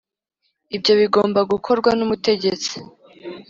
ibyo bigomba gukorwa n'umutegetsi